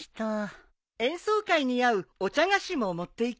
演奏会に合うお茶菓子も持っていくよ。